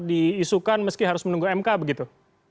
diisukan meski harus menunggu mk begitu